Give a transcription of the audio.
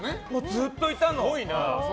ずっといたの。